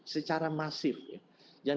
secara masif yang